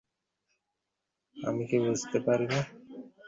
আমি কি বুঝিতে পারি না?